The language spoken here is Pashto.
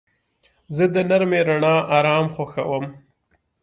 زه د نرمې رڼا آرام خوښوم.